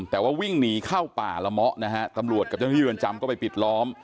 แต่ว่าวิ่งหนีเข้าป่าระมะนะฮะตำรวจกับที่ยืนจำก็ไปปิดล้อม